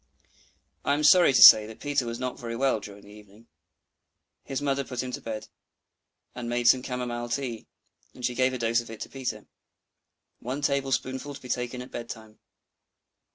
I am sorry to say that Peter was not very well during the evening. His mother put him to bed, and made some camomile tea; and she gave a dose of it to Peter! "One tablespoonful to be taken at bed time."